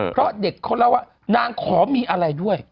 เพราะเด็กเขาเล่าว่านางขอมีอะไรด้วย